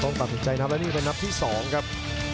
ต้องตัดติดชัยน้ำแล้วนี่เป็นนับที่๒ครับ